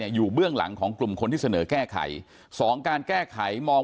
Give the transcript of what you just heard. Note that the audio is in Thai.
อยู่เบื้องหลังของกลุ่มคนที่เสนอแก้ไขสองการแก้ไขมอง